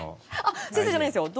先生じゃないんですよ。